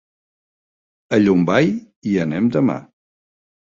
A Llombai hi anem demà.